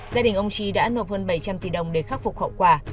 gia đình ông trí đã nộp hơn bảy trăm linh tỷ đồng để khắc phục hậu quả